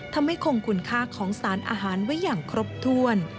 ทำให้คงคุณค่าของสารอาหารไว้อย่างครบถ้วน